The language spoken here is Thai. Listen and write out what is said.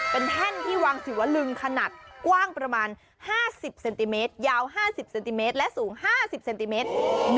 เป็นแท่นที่วางศิวลึงขนาดกว้างประมาณ๕๐เซนติเมตรยาว๕๐เซนติเมตรและสูง๕๐เซนติเมตร